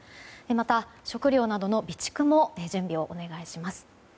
また、食料などの備蓄も準備をお願いします。